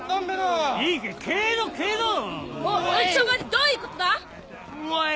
どういうことだ？